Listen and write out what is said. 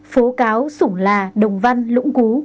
phố cáo sủng là đồng văn lũng cú